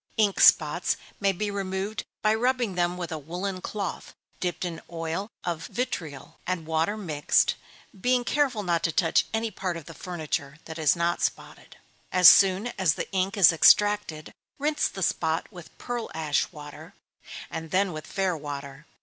Ink spots may be removed by rubbing them with a woollen cloth, dipped in oil of vitriol and water mixed, being careful not to touch any part of the furniture that is not spotted. As soon as the ink is extracted, rinse the spot with pearl ash water, and then with fair water.